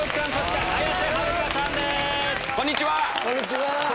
こんにちは！